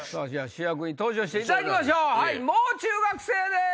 主役に登場していただきましょうもう中学生です。